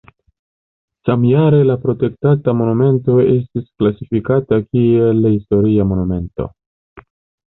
Samjare la protektata monumento estis klasifikata kiel historia monumento.